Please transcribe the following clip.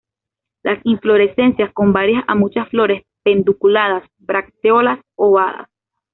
Las inflorescencias con varias a muchas flores, pedunculadas; bracteolas ovadas.